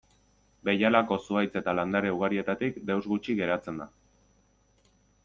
Behialako zuhaitz eta landare ugarietatik deus gutxi geratzen da.